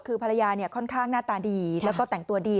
คือภรรยาค่อนข้างหน้าตาดีแล้วก็แต่งตัวดี